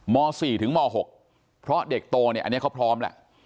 ม๔ถึงม๖เพราะเด็กโตเนี่ยอันนี้เขาพร้อมแล้ว